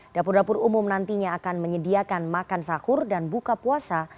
dapur dapur umum nantinya akan menyediakan makan sahur dan buka puasa